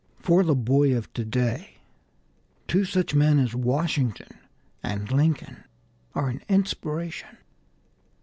For the boy of to day two such men as Washington and Lincoln are an inspiration.